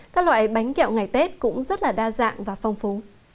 các loại bánh kẹo ngày tết cũng rất là đa dạng và phong phú